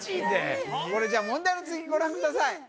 これじゃあ問題の続きご覧ください